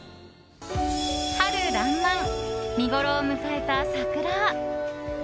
春らんまん、見ごろを迎えた桜。